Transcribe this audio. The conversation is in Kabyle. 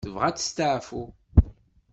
Tebɣa ad testaɛfu.